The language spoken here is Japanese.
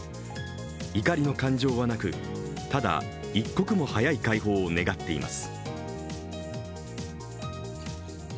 怒りの感情はなく、ただ、一刻も早い解放を願っています。